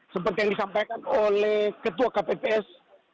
seperti yang disampaikan oleh ketua kpps